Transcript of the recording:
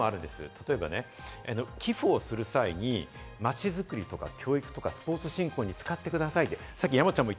例えば、寄付をする際に、街づくり、教育、スポーツ振興に使ってくださいと。